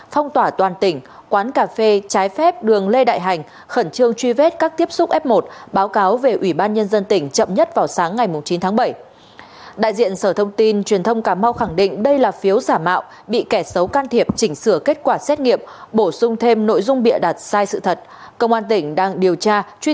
công an tỉnh đang điều tra truy tìm người làm giả phiếu xét nghiệm này